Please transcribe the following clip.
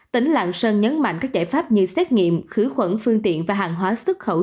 tỉnh lạng sơn nhấn mạnh các giải pháp như xét nghiệm khử khuẩn phương tiện và hàng hóa xuất khẩu